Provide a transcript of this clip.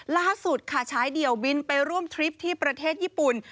ล่าสุดค่ะชายเดี่ยวบินไปร่วมทริปที่ประเทศญี่ปุ่น